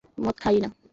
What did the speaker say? মদ খায়ই না।